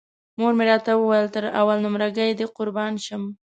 مور مې راته ویل تر اول نمره ګۍ دې قربان شم.